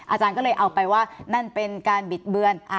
อาจารย์ก็เลยเอาไปว่านั่นเป็นการบิดเบือน